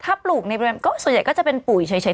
ถ้าปลูกในบริเวณส่วนใหญ่ก็จะเป็นปุ๋ยเฉย